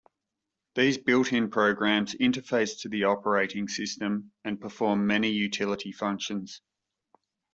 These built-in programs interface to the operating system, and perform many utility functions.